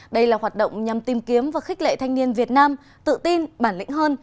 đây là hoạt động nhằm tìm kiếm và khích lệ thanh niên việt nam tự tin bản lĩnh hơn